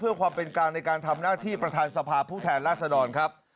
เพื่อความเป็นกลางในการทำหน้าที่ประธานสภาพผู้แทนราษฎรครับ